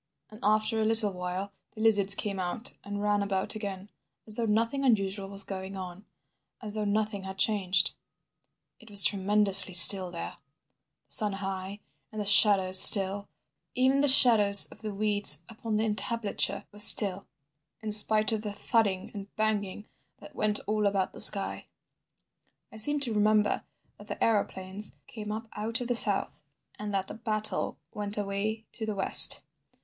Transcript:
And after a little while the lizards came out and ran about again, as though nothing unusual was going on, as though nothing had changed ... It was tremendously still there, the sun high and the shadows still; even the shadows of the weeds upon the entablature were still—in spite of the thudding and banging that went all about the sky. "I seem to remember that the aeroplanes came up out of the south, and that the battle went away to the west.